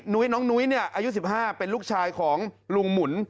น้องนุ้ยอายุ๑๕เป็นลูกชายของลุงหมุน